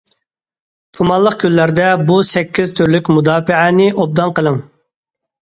تۇمانلىق كۈنلەردە، بۇ سەككىز تۈرلۈك مۇداپىئەنى ئوبدان قىلىڭ.